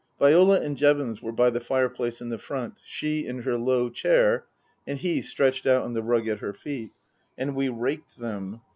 Viola and Jevons were by the fireplace in the front, she in her low chair and he stretched out on the rug at her feet. And we raked them.